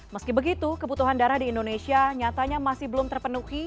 meski begitu kebutuhan darah di indonesia nyatanya masih belum terpenuhi